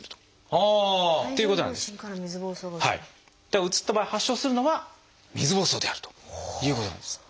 だからうつった場合発症するのは水ぼうそうであるということなんです。